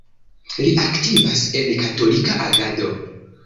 Li aktivas en Katolika Agado.